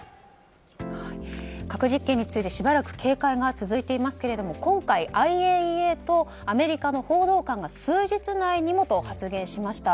核実験についてしばらく警戒が続いていますけれども今回、ＩＡＥＡとアメリカの報道官が数日内にもと発言しました。